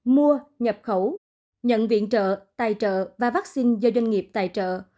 mua nhập khẩu nhận viện trợ tài trợ và vaccine do doanh nghiệp tài trợ